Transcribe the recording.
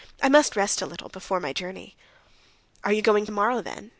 "I must rest a little before my journey." "Are you certainly going tomorrow then?"